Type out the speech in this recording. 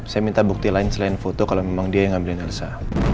saya minta bukti lain selain foto kalau memang dia yang ngambilsa